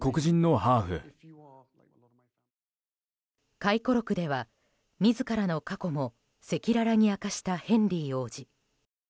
回顧録では自らの過去も赤裸々に明かしたヘンリー王子。